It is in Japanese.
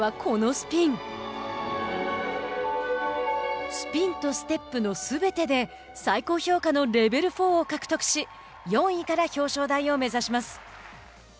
スピンとステップのすべてで最高評価のレベルフォーを獲得し４位から表彰台を目指します。